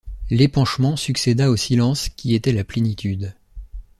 L’épanchement succéda au silence qui est la plénitude.